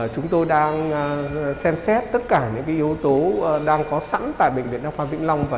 chúng tôi đang xem xét tất cả những yếu tố đang có sẵn tại bệnh viện đa khoa vĩnh long